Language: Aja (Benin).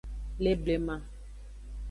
Le blema.